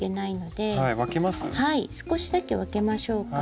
少しだけ分けましょうか。